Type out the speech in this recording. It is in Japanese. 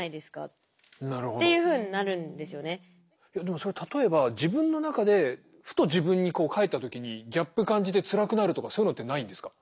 でもそれ例えば自分の中でふと自分に返った時にギャップ感じてつらくなるとかそういうのってないんですか？